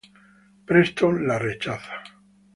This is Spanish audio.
Preston la rechaza.